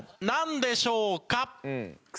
なんでしょうか？